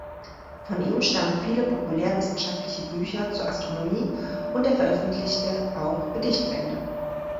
Von ihm stammen viele populärwissenschaftliche Bücher zur Astronomie und er veröffentlichte auch Gedichtbände.